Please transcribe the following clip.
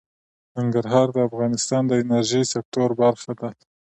ننګرهار د افغانستان د انرژۍ سکتور برخه ده.